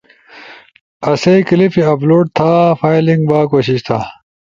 آسئیی کلپے اپلوڈ تھا فائلنگ با کوشش تھا؟